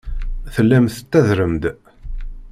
Tellam tettadrem-d.